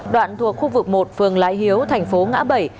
đoạn thuộc khu vực một phường lái hiếu thành phố ngã bảy